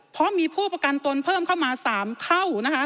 เพราะมีผู้ประกันตนเพิ่มเข้ามา๓เท่านะคะ